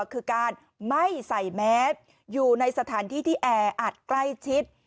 คือการไม่ใส่แมสอยู่ในสถานที่ที่แออัดใกล้ชิด